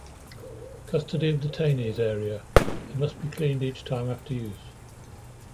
Custody of detainees area: they must be cleaned each time after use.